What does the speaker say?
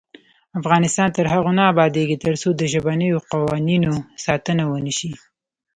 افغانستان تر هغو نه ابادیږي، ترڅو د ژبنیو قوانینو ساتنه ونشي.